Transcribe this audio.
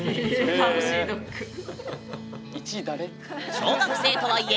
小学生とはいえ